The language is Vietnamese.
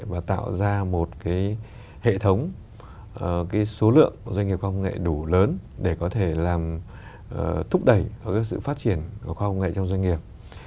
và tạo ra một cái hệ thống cái số lượng của doanh nghiệp khoa học công nghệ đủ lớn để có thể làm thúc đẩy sự phát triển của khoa học công nghệ trong doanh nghiệp